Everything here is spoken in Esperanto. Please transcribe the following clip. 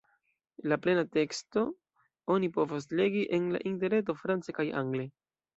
La plena teksto oni povas legi en la Interreto france kaj angle.